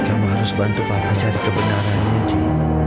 kamu harus bantu papa cari kebenarannya ji